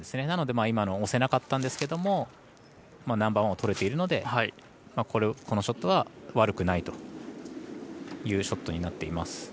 なので、今の押せなかったんですけどナンバーワンをとれているのでこのショットは悪くないというショットになっています。